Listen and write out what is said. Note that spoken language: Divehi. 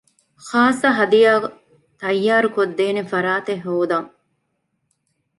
ޚާއްޞަ ހަދިޔާ ތައްޔާރު ކޮށްދޭނެ ފަރާތެއް ހޯދަން